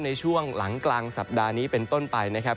ในช่วงหลังกลางสัปดาห์นี้เป็นต้นไปนะครับ